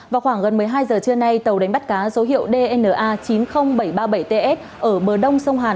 vào khoảng gần một mươi hai giờ trưa nay tàu đánh bắt cá số hiệu dna chín mươi nghìn bảy trăm ba mươi bảy ts ở bờ đông sông hàn